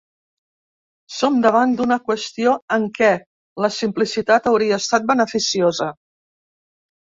Som davant d'una qüestió en què la simplicitat hauria estat beneficiosa.